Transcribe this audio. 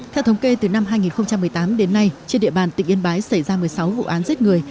theo thống kê từ năm hai nghìn một mươi tám đến nay trên địa bàn tỉnh yên bái xảy ra một mươi sáu vụ án giết người